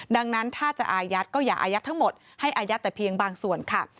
ดังนั้นถ้าจะอายัดก็อย่าอายัดทั้งหมดให้อายัดแต่เพียงบางส่วนค่ะ